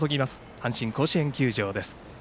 阪神甲子園球場です。